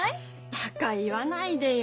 バカ言わないでよ。